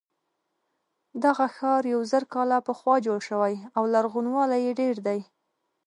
دغه ښار یو زر کاله پخوا جوړ شوی او لرغونوالی یې ډېر دی.